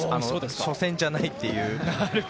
初戦じゃないっていう。